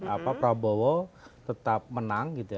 apa prabowo tetap menang gitu ya